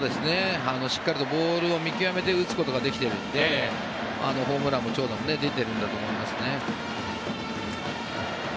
しっかりとボールを見極めて打つことができているのでホームランも長打も出てるんだと思いますね。